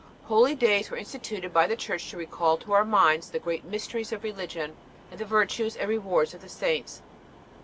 Holydays were instituted by the Church to recall to our minds the great mysteries of religion and the virtues and rewards of the saints.